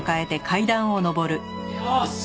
よし。